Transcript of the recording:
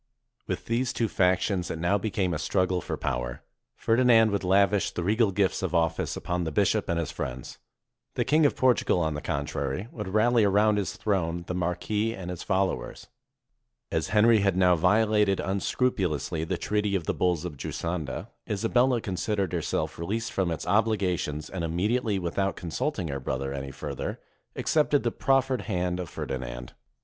With these two factions it now became a struggle for power. Ferdinand would lavish the regal gifts of office upon the bishop and his friends. The Kjng of Portugal, on the contrary, would rally around his throne the mar quis and his followers. As Henry had now violated un scrupulously the treaty of the Bulls of Giusanda, Isa bella considered herself released from its obligations, and immediately, without consulting her brother any further, accepted the proffered hand of Ferdinand.